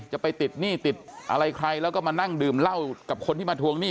จะไปติดหนี้ติดอะไรใครแล้วก็มานั่งดื่มเหล้ากับคนที่มาทวงหนี้